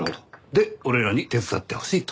で俺らに手伝ってほしいと。